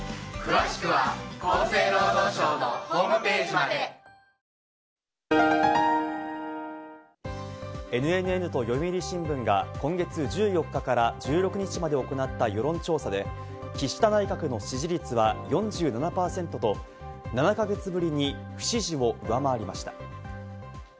また司法当局はアメリカでＮＮＮと読売新聞が今月１４日から１６日まで行った世論調査で、岸田内閣の支持率は４７％と７か月ぶりに不支持を上回りました。